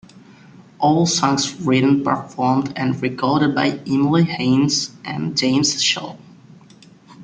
All songs written, performed and recorded by Emily Haines and James Shaw.